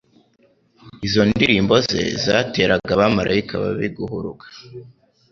Izo ndirimbo ze zateraga abamarayika babi guhuruga,